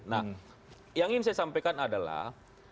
nah yang ingin saya sampaikan adalah